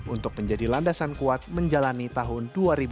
untuk menjadi landasan kuat menjalani tahun dua ribu dua puluh